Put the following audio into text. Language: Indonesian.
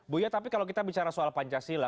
buya tapi kalau kita bicara soal pancasila